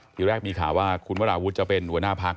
ทีแรกมีข่าวว่าคุณวราวุฒิจะเป็นหัวหน้าพัก